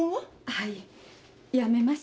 はいやめました。